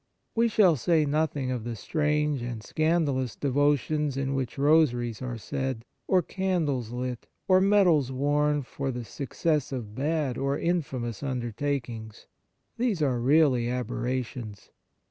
We shall say nothing of the strange and scandalous devotions in which rosaries are said, or candles lit, or medals worn for the success of bad or infamous undertakings ; these are really aberrations.